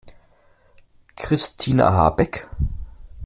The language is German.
Christina Habeck?